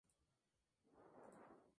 La banda sonora es de George Fenton.